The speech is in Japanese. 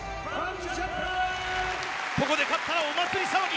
ここで勝ったらお祭り騒ぎ。